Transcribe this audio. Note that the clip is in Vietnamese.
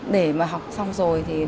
để mà học xong rồi